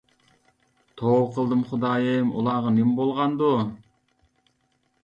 توۋا قىلدىم خۇدايىم، ئۇلارغا نېمە بولغاندۇ؟ .